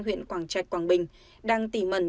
huyện quảng trạch quảng bình đang tỉ mẩn